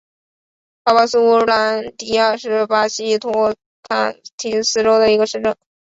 巴巴苏兰迪亚是巴西托坎廷斯州的一个市镇。